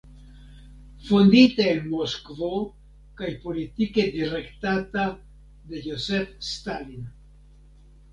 Fondita en Moskvo kaj politike direktata de Josef Stalin.